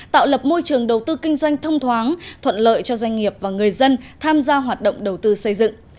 tạo lập môi trường đầu tư kinh doanh thông thoáng thuận lợi cho doanh nghiệp và người dân tham gia hoạt động đầu tư xây dựng